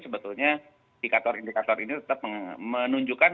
sebetulnya indikator indikator ini tetap menunjukkan